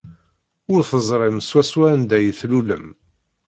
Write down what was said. Ur teẓrim swaswa anda ay tlulem.